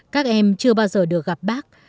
các em chưa bao giờ được gặp bác